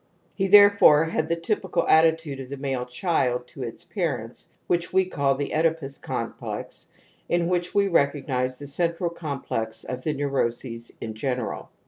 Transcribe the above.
He /therefore had the typical attitude of the male Ichild to its parents which we call the ' Oedipus (complex ' in which we recognize the central cbmplex of the neuroses in general.